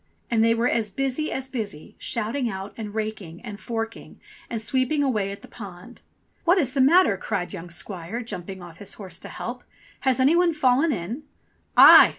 And they were as busy as busy, shouting out, and raking, and forking, and sweeping away at the pond. "What is the matter?" cried young squire, jumping off his horse to help. "Has any one fallen in ?" "Aye!